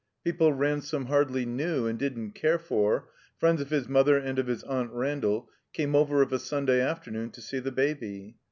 People Ransome hardly knew and didn't care for, friends of his mother and of his Aunt Randall, came over of a Sunday afternoon to see the Baby.